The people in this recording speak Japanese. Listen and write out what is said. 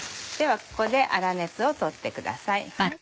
ではここで粗熱を取ってください。